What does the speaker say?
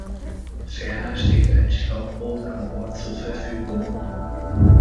Ferner steht ein Schlauchboot an Bord zur Verfügung.